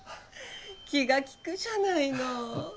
気が利くじゃないの。